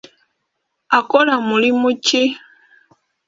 Akola mulimu ki?